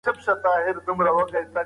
ماشومانو سره لوبې کول هم خندا زیږوي.